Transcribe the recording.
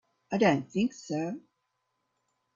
I don't think so.